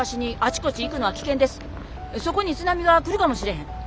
そこに津波が来るかもしれへん。